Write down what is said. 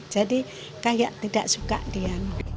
kayak tidak suka dia